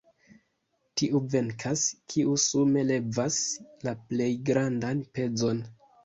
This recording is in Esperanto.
Tiu venkas, kiu sume levas la plej grandan pezon.